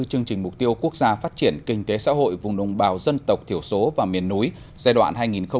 chương trình mục tiêu quốc gia phát triển kinh tế xã hội vùng đồng bào dân tộc thiểu số và miền núi giai đoạn hai nghìn hai mươi một hai nghìn ba mươi